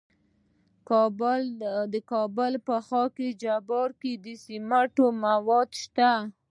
د کابل په خاک جبار کې د سمنټو مواد شته.